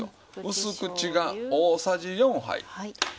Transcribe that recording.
薄口が大さじ４入る。